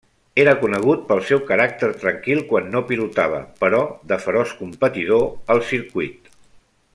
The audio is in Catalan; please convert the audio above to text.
Era conegut pel seu caràcter tranquil quan no pilotava, però de feroç competidor al circuit.